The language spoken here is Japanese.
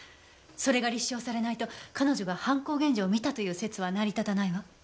それが立証されないと彼女が犯行現場を見たという説は成り立たないわ。